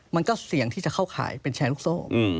มันก็เสี่ยงที่จะเข้าขายเป็นแชร์ลูกโซ่